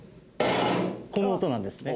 この音なんですね。